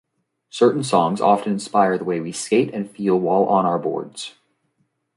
Certain songs often inspire the way we skate and feel while on our boards.